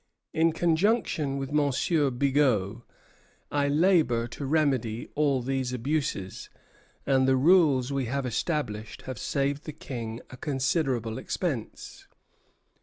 In conjunction with M. Bigot, I labor to remedy all these abuses; and the rules we have established have saved the King a considerable expense.